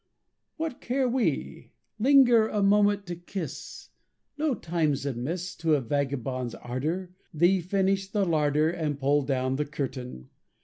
What care we? Linger A moment to kiss No time's amiss To a vagabond's ardor Thee finish the larder And pull down the curtain.